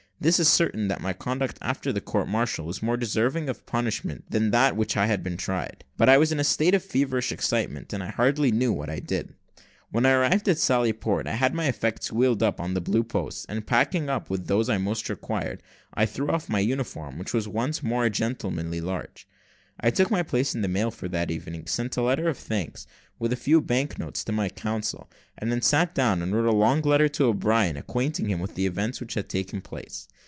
This is certain, that my conduct after the court martial was more deserving of punishment than that for which I had been tried: but I was in a state of feverish excitement, and hardly knew what I did. When I arrived at Sally Port, I had my effects wheeled up to the Blue Posts, and packing up those which I most required, I threw off my uniform, and was once more a gentleman at large. I took my place in the mail for that evening, sent a letter of thanks, with a few bank notes, to my counsel, and then sat down and wrote a long letter to O'Brien, acquainting him with the events which had taken place.